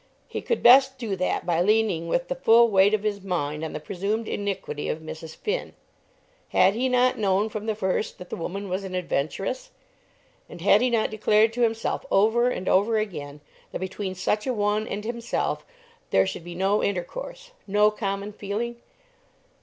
He could best do that by leaning with the full weight of his mind on the presumed iniquity of Mrs. Finn. Had he not known from the first that the woman was an adventuress? And had he not declared to himself over and over again that between such a one and himself there should be no intercourse, no common feeling?